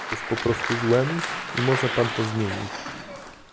Jest po prostu złem, i może pan to zmienić